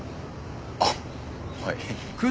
あっはい。